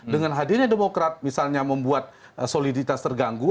dengan hadirnya demokrat misalnya membuat soliditas terganggu